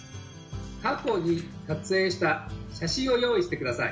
過去に撮影した写真を用意して下さい。